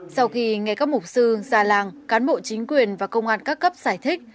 sau khi nghe các mục sư giả lạng cán bộ chính quyền và công an các cấp giải thích